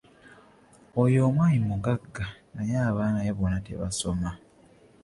Oyo omwami mugagga naye abaana be bonna tebasoma.